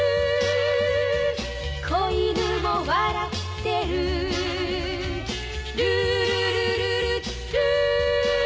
「小犬も笑ってる」「ルールルルルルー」